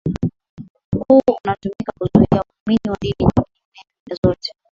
huu unatumika kuzuia waumini wa dini nyingine zote